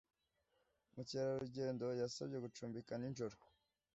Mukerarugendo yasabye gucumbika nijoro